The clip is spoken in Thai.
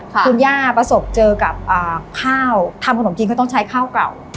คุณย่าประสบเจอกับข้าวทำขนมจีนก็ต้องใช้ข้าวเก่า